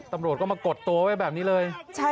ตำรวจก็มากดตัวไว้แบบนี้เลย